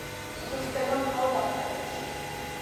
გვხვდება მხოლოდ აფხაზეთში.